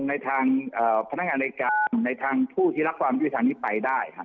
ในทางเอ่อพนักงานอายการในทางผู้ที่รักความชีวิตทางนี้ไปได้ค่ะ